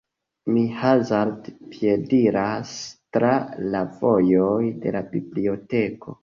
Mi hazarde piediras tra la vojoj de la biblioteko.